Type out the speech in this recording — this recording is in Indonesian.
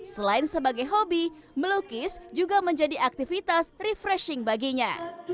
selain sebagai hobi melukis juga menjadi aktivitas refreshing baginya